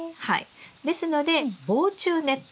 ですので防虫ネット。